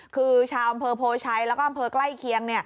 คือชาวอำเภอโพชัยแล้วก็อำเภอใกล้เคียง